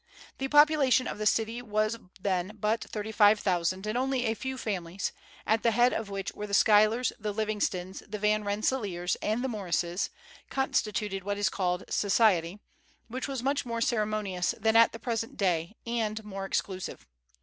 The population of the city was then but thirty five thousand, and only a few families at the head of which were the Schuylers, the Livingstons, the Van Rensselaers, and the Morrises constituted what is called "Society," which was much more ceremonious than at the present day, and more exclusive.